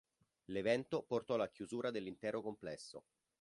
L'evento portò alla chiusura dell'intero complesso.